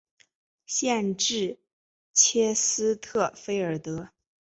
县治切斯特菲尔德。